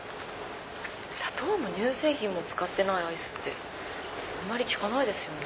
砂糖も乳製品も使ってないアイスってあまり聞かないですよね。